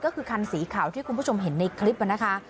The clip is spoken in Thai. ก็คือคันสีขาวที่คุณผู้ชมเห็นในคลิปนะคะ